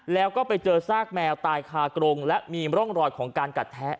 แล้วก็ไปเจอซากแมวตายคากรงและมีร่องรอยของการกัดแท้